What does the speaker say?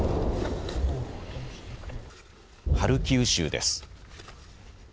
ハルキウ州です。